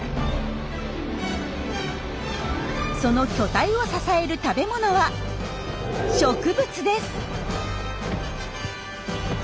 その巨体を支える食べ物は植物です。